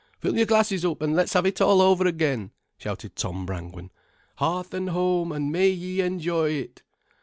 "Fill your glasses up, an' let's have it all over again," shouted Tom Brangwen. "Hearth an' home, an' may ye enjoy it."